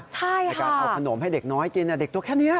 ในการเอาขนมให้เด็กน้อยกินเด็กตัวแค่นี้